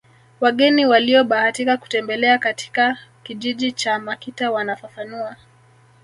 Wageni waliobahatika kutembelea katika kijiji cha Makita wanafafanua